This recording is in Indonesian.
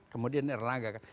kemudian erlangga kan